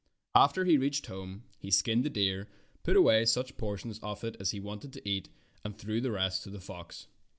After he reached home he skinned the deer, put away such portions of it as he wanted to eat, and threw the rest to the fox.